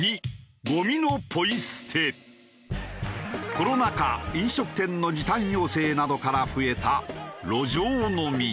コロナ禍飲食店の時短要請などから増えた。